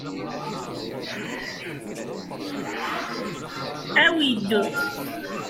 Sami ixeyyeb Layla.